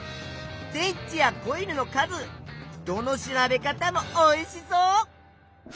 電池やコイルの数どの調べ方もおいしそう！